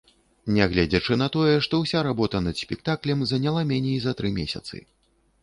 Нягледзячы на тое, што ўся работа над спектаклем заняла меней за тры месяцы.